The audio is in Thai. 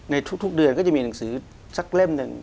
ในทุกเดือนก็จะมีหนังสือสักเล่มหนึ่ง